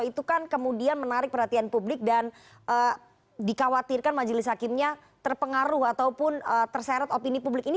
itu kan kemudian menarik perhatian publik dan dikhawatirkan majelis hakimnya terpengaruh ataupun terseret opini publik ini